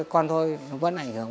con thôi nó vẫn ảnh hưởng